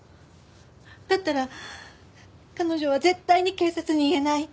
だったら彼女は絶対に警察に言えない。